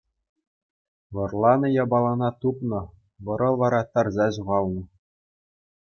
Вӑрланӑ япалана тупнӑ, вӑрӑ вара тарса ҫухалнӑ.